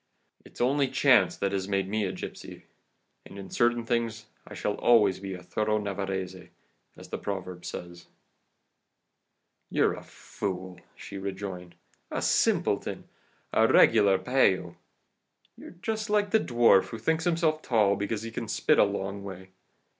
It's only chance that has made me a gipsy, and in certain things I shall always be a thorough Navarrese,* as the proverb says. * Navarro fino. "'You're a fool,' she rejoined, 'a simpleton, a regular payllo. You're just like the dwarf who thinks himself tall because he can spit a long way.